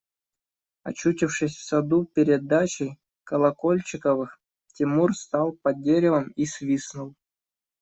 Очутившись в саду перед дачей Колокольчиковых, Тимур стал под деревом и свистнул.